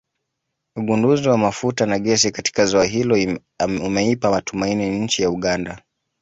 Ugunduzi wa mafuta na gesi katika ziwa hilo umeipa matumaini nchi ya Uganda